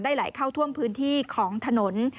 ไหลเข้าท่วมพื้นที่ของถนน